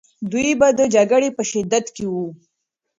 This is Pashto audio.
دوی به د جګړې په شدت کې وو.